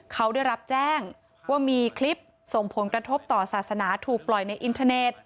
เขาได้รับแจ้งว่ามีคลิปส่งผลกระทบต่อศาสนาถูกปล่อยในอินเทอร์เน็ต